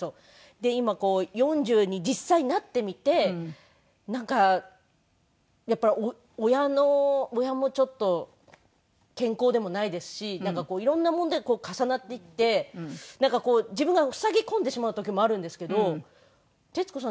で今４０に実際なってみてなんかやっぱり親もちょっと健康でもないですし色んな問題が重なっていって自分がふさぎ込んでしまう時もあるんですけど徹子さん